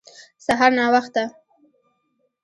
سهار ناوخته